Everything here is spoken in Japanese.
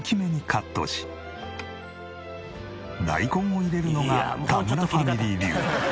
大根を入れるのが田村ファミリー流。